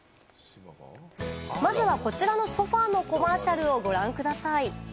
まずはこちらのソファのコマーシャルをご覧ください。